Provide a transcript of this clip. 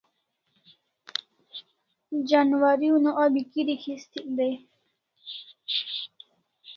Janwari una abi kirik histik dai